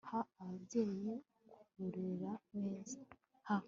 ha ababyeyi kukurerera neza, ha